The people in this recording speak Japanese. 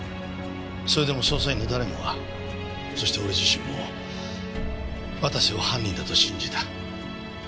それでも捜査員の誰もがそして俺自身も綿瀬を犯人だと信じた。